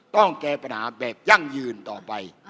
แก้ปัญหาแบบยั่งยืนต่อไป